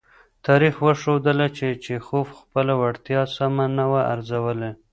تاریخ وښودله چې چیخوف خپله وړتیا سمه نه وه ارزولې.